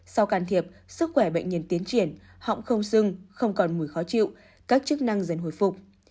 sau can thiệp sức khỏe bệnh nhân tiến triển họng không sưng không còn mùi khó chịu các chức năng dần hồi phục